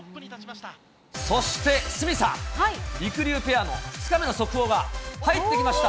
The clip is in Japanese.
そして、鷲見さん、りくりゅうペアの２日目の速報が入ってきました。